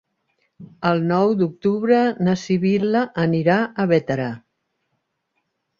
El nou d'octubre na Sibil·la anirà a Bétera.